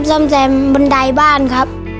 ซ่อมแซมบันไดบ้านครับ